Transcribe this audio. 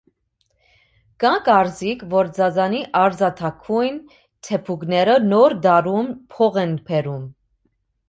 Կա կարծիք, որ ծածանի արծաթագույն թեփուկները նոր տարում փող են բերում։